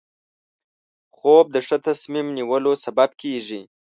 خوب د ښه تصمیم نیولو سبب کېږي